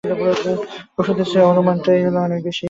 ওষুধের চেয়ে অনুপানটার দিকেই তাঁর ঝোঁক বেশি।